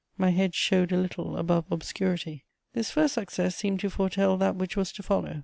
My head showed a little above obscurity. This first success seemed to foretell that which was to follow.